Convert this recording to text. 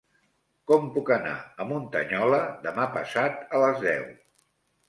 Com puc anar a Muntanyola demà passat a les deu?